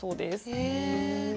へえ。